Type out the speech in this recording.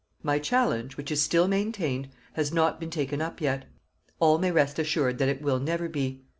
My challenge, which is still maintained, has not been taken up yet. All may rest assured that it will never be.